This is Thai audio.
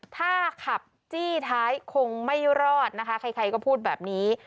ถ้าขับจี้ท้ายคงไม่รอดนะคะใครก็พูดแบบนี้